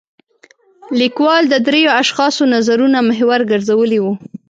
لیکوال د درېو اشخاصو نظرونه محور ګرځولی و.